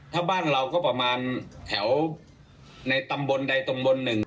ถ้าบ้านเราก็ประมาณแถวในตำบลใดตำบลหนึ่ง